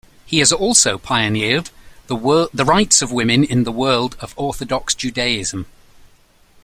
He has also pioneered the rights of women in the world of Orthodox Judaism.